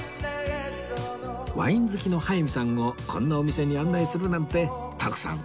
ワイン好きの早見さんをこんなお店に案内するなんて徳さん